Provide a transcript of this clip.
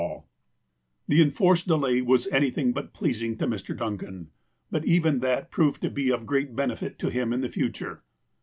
46 THE APOSTLE OF ALASKA The enforced delay was anytliiug but pleasing to Mr. Duncan, but even that proved to be of great benefit to him in the future.